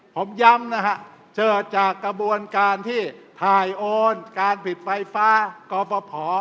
ผมย้ำนะฮะเกิดจากกระบวนการที่ถ่ายโอนการผลิตไฟฟ้ากรปภ